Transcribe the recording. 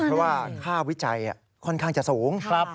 เพราะว่าค่าวิจัยค่อนข้างจะสูง